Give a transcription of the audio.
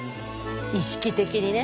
意識的にね。